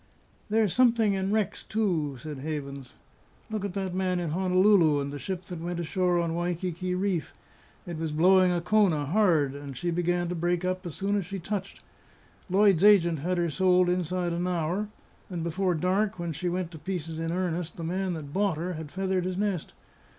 "There's something in wrecks, too," said Havens. "Look at that man in Honolulu, and the ship that went ashore on Waikiki Reef; it was blowing a kona, hard; and she began to break up as soon as she touched. Lloyd's agent had her sold inside an hour; and before dark, when she went to pieces in earnest, the man that bought her had feathered his nest.